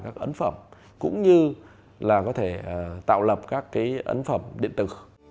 các ấn phẩm cũng như là có thể tạo lập các cái ấn phẩm điện tử